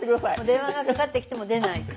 電話がかかってきても出ない。